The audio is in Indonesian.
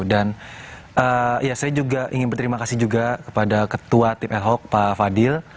dan ya saya juga ingin berterima kasih juga kepada ketua tim ad hoc pak fadil